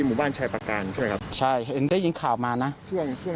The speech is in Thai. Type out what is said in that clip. หมู่บ้านชายประการใช่ครับใช่เห็นได้ยินข่าวมานะช่วงช่วง